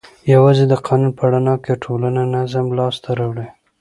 یوازې د قانون په رڼا کې ټولنه نظم لاس ته راوړي.